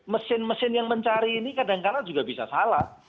mesin mesin yang mencari ini kadang kadang juga bisa salah